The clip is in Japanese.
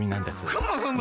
ふむふむ。